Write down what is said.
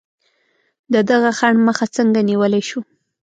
د دغه خنډ مخه څنګه نیولای شو؟